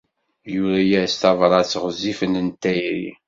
Yura-as tabṛat ɣezzifen n tayri.